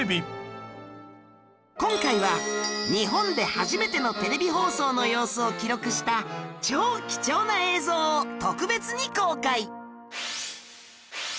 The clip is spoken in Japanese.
今回は日本で初めてのテレビ放送の様子を記録した超貴重な映像を特別に公開